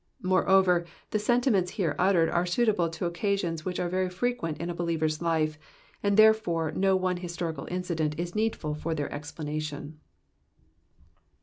Moreover, the sentiments here uttered are suitable to occasiojis which are very frequent in a believer's life, and therefore no one historic incideni is needful for tJmr explanation.